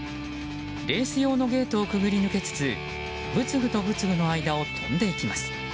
レース用のゲートを潜り抜けつつ仏具と仏具の間を飛んでいきます。